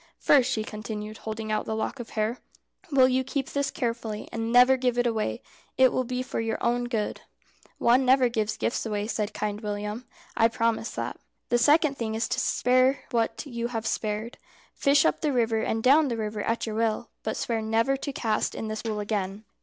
"First," she continued, holding out the lock of hair, "will you keep this carefully, and never give it away? It will be for your own good." "One never gives away gifts," said Kind William, "I promise that." "The second thing is to spare what you have spared. Fish up the river and down the river at your will, but swear never to cast net in this pool again."